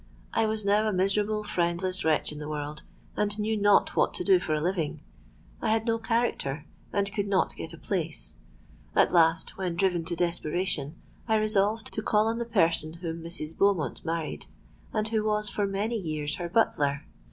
I was now a miserable, friendless wretch in the world, and knew not what to do for a living. I had no character, and could not get a place. At last, when driven to desperation, I resolved to call on the person whom Mrs. Beaumont married, and who was for many years her butler.